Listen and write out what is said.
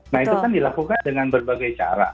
nah itu kan dilakukan dengan berbagai cara